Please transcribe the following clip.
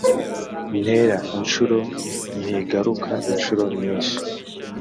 Ntera inshuro ntigaruka inshuro nyinshi